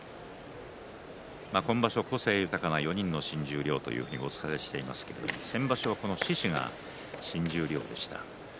今場所、個性豊かな４人の新十両をご紹介していますが先場所はこの獅司が新十両でした。